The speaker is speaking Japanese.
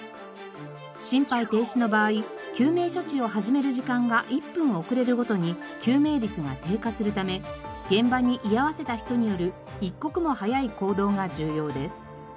心肺停止の場合救命処置を始める時間が１分遅れるごとに救命率が低下するため現場に居合わせた人による一刻も早い行動が重要です。